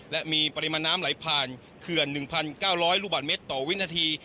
และมีปริมาณน้ำไหลผ่านเคือนหนึ่งพันเก้าร้อยลูกบาทเมตรต่อวินาที